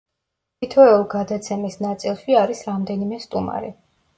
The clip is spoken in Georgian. თითოეულ გადაცემის ნაწილში არის რამდენიმე სტუმარი.